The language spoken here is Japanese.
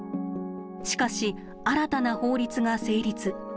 しかし、新たな法律が成立。